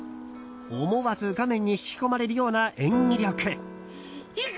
思わず画面に引き込まれるような演技力。